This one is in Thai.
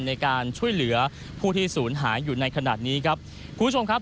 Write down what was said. ในการช่วยเหลือผู้ที่ศูนย์หายอยู่ในขณะนี้ครับคุณผู้ชมครับ